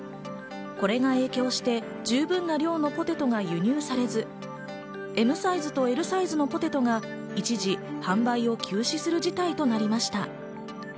これが影響して十分な量のポテトが輸入されず、ＭサイズとＬサイズのポテトが一時販売を休止する事態となりました。